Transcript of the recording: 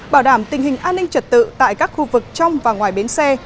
bảo đảm tình hình an ninh trật tự tại các khu vực trong và ngoài bến xe